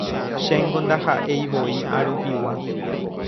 Chéngo ndahaʼeivoi arupigua”.